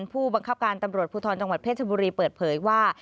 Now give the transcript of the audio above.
ผู้บังคับการตำรวจภูทรจังหวัดเพชรบุรีเปิดเผยว่า